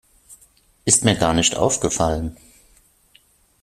Ist mir gar nicht aufgefallen.